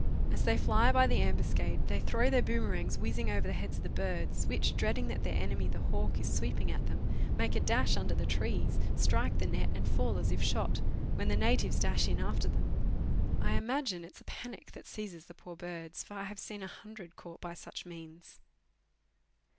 As they fly by the ambuscade, they throw their boomerangs whizzing over the heads of the birds, which, dreading that their enemy, the hawk, is sweeping at them, make a dash under the trees, strike the net, and fall as if shot, when the natives dash in after them. I imagine it is a panic that seizes the poor birds, for I have seen a hundred caught by such means.